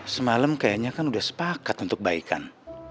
semalam kayaknya kan udah sepakat untuk baikan